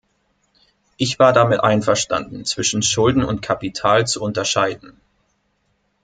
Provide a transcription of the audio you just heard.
Ich war damit einverstanden, zwischen Schulden und Kapital zu unterscheiden.